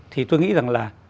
thì tôi nghĩ rằng là